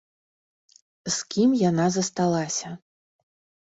З кім яна засталася.